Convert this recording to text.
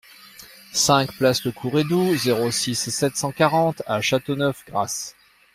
cinq place Le Courredou, zéro six, sept cent quarante à Châteauneuf-Grasse